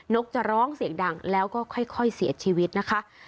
กจะร้องเสียงดังแล้วก็ค่อยเสียชีวิตนะคะ